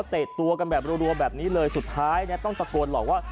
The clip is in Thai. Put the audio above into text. เตะตัวกันแบบรัวแบบนี้เลยสุดท้ายต้องตะโกนหลอกว่า